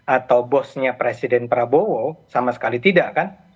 atau bosnya presiden prabowo sama sekali tidak kan